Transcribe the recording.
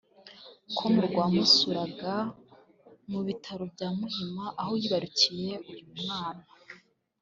com rwamusuraga mu bitaro bya Muhima aho yibarukiye uyu mwana